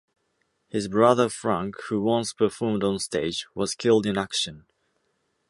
His brother Frank, who once performed on stage, was killed in action.